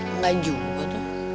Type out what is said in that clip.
engga juga tuh